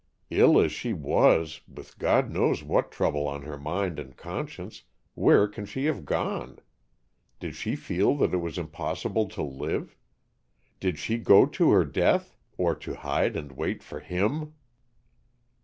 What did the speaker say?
"Ill as she was, with God knows what trouble on her mind and conscience, where can she have gone? Did she feel that it was impossible to live? Did she go to her death, or to hide and wait for _him?